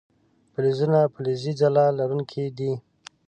فلزونه فلزي ځلا لرونکي دي.